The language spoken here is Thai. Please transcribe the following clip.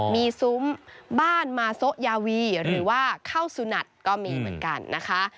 มีซุ้มบ้านมาโซยาวีหรือว่าเข้าสุนัทก็มีเหมือนกันนะคะ